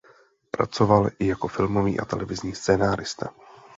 Pracoval i jako filmový a televizní scenárista.